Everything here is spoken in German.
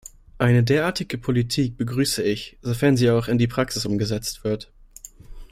Eine derartige Politik begrüße ich, sofern sie auch in die Praxis umgesetzt wird.